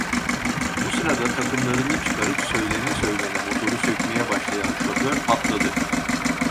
Bu sırada takımlarını çıkarıp söylene söylene motoru sökmeye başlayan şoför patladı: